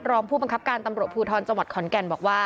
รองผู้บังคับการตำรวจภูทรจังหวัดขอนแก่นบอกว่า